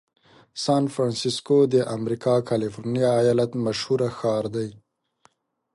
سان فرنسیسکو د امریکا کالفرنیا ایالت مشهوره ښار دی.